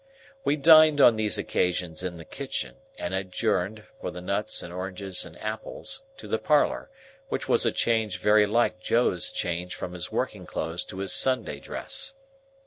We dined on these occasions in the kitchen, and adjourned, for the nuts and oranges and apples to the parlour; which was a change very like Joe's change from his working clothes to his Sunday dress.